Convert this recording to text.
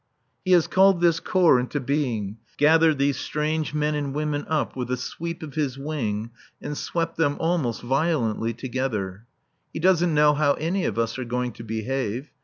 He has called this corps into being, gathered these strange men and women up with a sweep of his wing and swept them almost violently together. He doesn't know how any of us are going to behave.